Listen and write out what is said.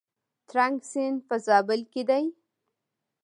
ترنک سیند په زابل کې دی؟